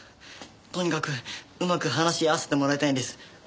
とにかくうまく話合わせてもらいたいんです。